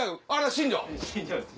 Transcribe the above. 新庄です。